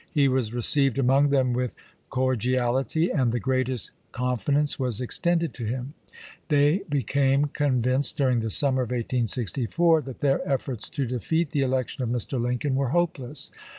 He was received among them with cordiality, and the greatest confidence was extended to him. They became convinced, during the summer of 1864, that their efforts to defeat the election of Mr. Lincoln were hopeless.